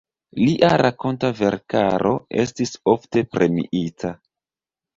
Lia rakonta verkaro estis ofte premiita.